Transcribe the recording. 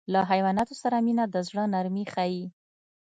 له حیواناتو سره مینه د زړه نرمي ښيي.